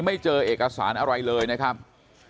ไม่เจอเอกสารอะไรเลยนะครับ